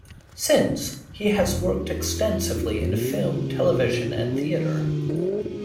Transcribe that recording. Since, he has worked extensively in film, television and theatre.